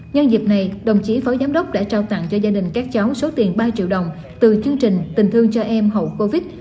nhân dịp này đồng chí phó giám đốc đã trao tặng cho gia đình các cháu số tiền ba triệu đồng từ chương trình tình thương cho em hậu covid